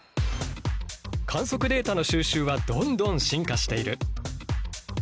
観測データの収集はどんどん進化している！